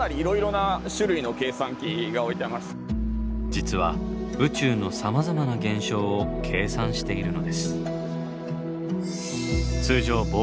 実は宇宙のさまざまな現象を計算しているのです。